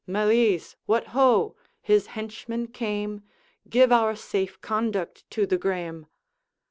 Malise, what ho!' his henchman came: 'Give our safe conduct to the Graeme.'